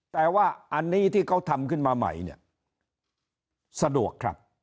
แต่ว่าอันนี้ที่เขาทำขึ้นมาใหม่เนี่ยสะดวกครับ